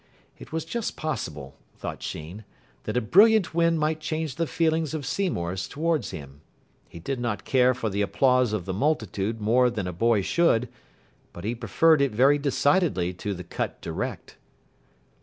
It was just possible, thought Sheen, that a brilliant win might change the feelings of Seymour's towards him. He did not care for the applause of the multitude more than a boy should, but he preferred it very decidedly to the cut direct.